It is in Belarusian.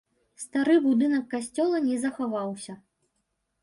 Стары будынак касцёла не захаваўся.